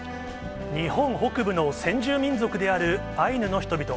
日本北部の先住民族であるアイヌの人々。